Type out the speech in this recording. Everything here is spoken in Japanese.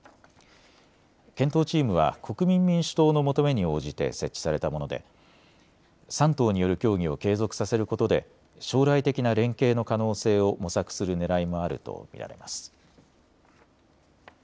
検討チームは国民民主党の求めに応じて設置されたもので３党による協議を継続させることで将来的な連携の可能性を模索するねらいもあると見られます。